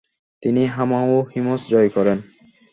তিনি হামা ও হিমস জয় করেন।